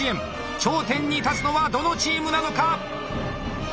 頂点に立つのはどのチームなのか！